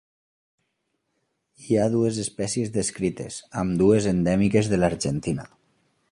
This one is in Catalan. Hi ha dues espècies descrites, ambdues endèmiques de l'Argentina.